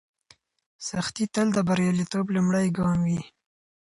سختي تل د بریالیتوب لومړی ګام وي.